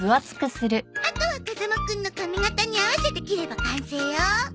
あとは風間くんの髪形に合わせて切れば完成よ。